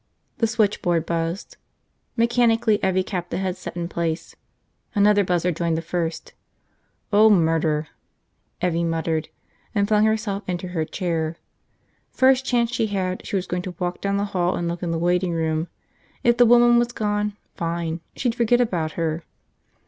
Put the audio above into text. The switchboard buzzed. Mechanically Evvie capped the headset in place. Another buzzer joined the first. "Oh, murder!" Evvie muttered, and flung herself into her chair. First chance she had, she was going to walk down the hall and look in the waiting room. If the woman was gone, fine, she'd forget about her.